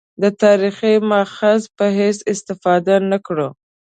د تاریخي مأخذ په حیث استفاده نه کړو.